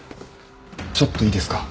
ちょっといいですか？